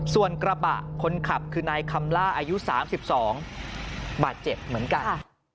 ส่วนกระบะคนขับคือนายคำล่าอายุ๓๒บาดเจ็บเหมือนกัน